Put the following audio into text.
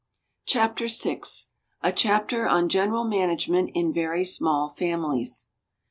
CHAPTER VI. A CHAPTER ON GENERAL MANAGEMENT IN VERY SMALL FAMILIES.